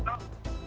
iya menurut saya